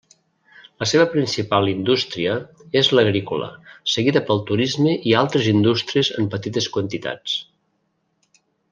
La seva principal indústria és l'agrícola, seguida pel turisme i altres indústries en petites quantitats.